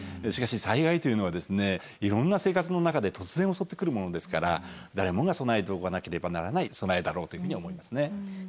しかし災害というのはいろんな生活の中で突然襲ってくるものですから誰もが備えておかなければならない備えだろうというふうに思いますね。